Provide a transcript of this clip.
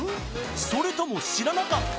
それとも知らなかった？